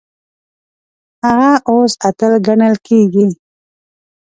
هغه اوس اتل ګڼل کیږي.